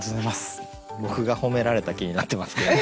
僕が褒められた気になってますけども。